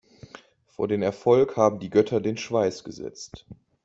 Vor den Erfolg haben die Götter den Schweiß gesetzt.